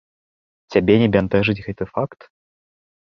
Цябе не бянтэжыць гэты факт?